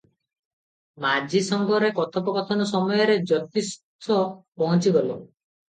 ମାଝି ସଙ୍ଗରେ କଥୋପକଥନ ସମୟରେ ଜ୍ୟୋତିଷ ପହଞ୍ଚିଗଲେ ।